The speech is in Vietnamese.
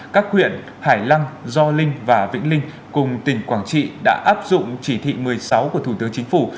các huyện hải lăng gio linh và vĩnh linh cùng tỉnh quảng trị đã áp dụng chỉ thị một mươi sáu của thủ tướng chính phủ